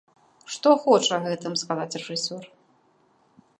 Што хоча гэтым сказаць рэжысёр?